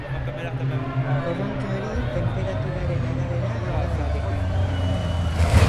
Korronte hori, tenperaturaren arabera alda daiteke.